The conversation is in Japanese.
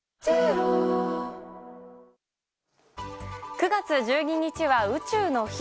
９月１２日は宇宙の日。